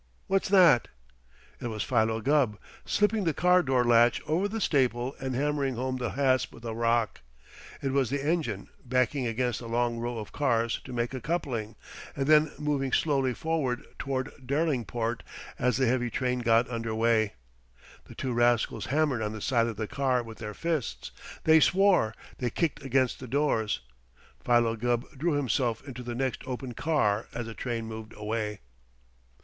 What's that?" It was Philo Gubb, slipping the car door latch over the staple and hammering home the hasp with a rock. It was the engine, backing against the long row of cars to make a coupling, and then moving slowly forward toward Derlingport as the heavy train got under way. The two rascals hammered on the side of the car with their fists. They swore. They kicked against the doors. Philo Gubb drew himself into the next open car as the train moved away.